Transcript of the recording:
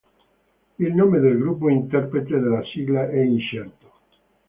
Il nome del gruppo interprete della sigla è incerto.